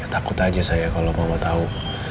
takut aja saya kalau mama tau